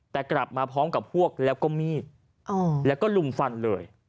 แต่กลับมาพร้อมกับพวกแล้วก็มีดแล้วก็ลุมฟันเลย